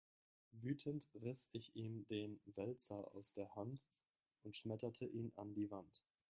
Wütend riss ich ihm den Wälzer aus der Hand und schmetterte ihn an die Wand.